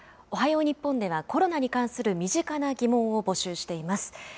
おはよう日本では、コロナに関する身近な疑問を募集しています。